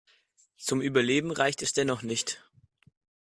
Zum Überleben reichte es dennoch nicht.